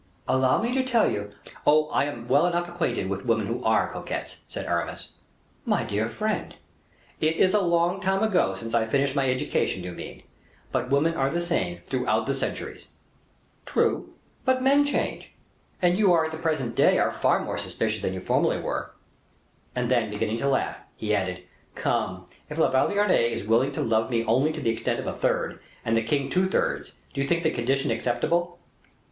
"Allow me to tell you " "Oh! I am well enough acquainted with women who are coquettes," said Aramis. "My dear friend!" "It is a long time ago since I finished my education, you mean. But women are the same, throughout the centuries." "True; but men change, and you at the present day are far more suspicious than you formerly were." And then, beginning to laugh, he added, "Come, if La Valliere is willing to love me only to the extent of a third, and the king two thirds, do you think the condition acceptable?"